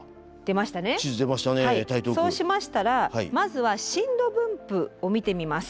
そうしましたらまずは震度分布を見てみます。